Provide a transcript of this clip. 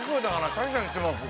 シャキシャキしてます。